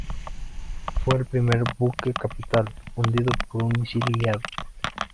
Fue el primer buque capital hundido por un misil guiado.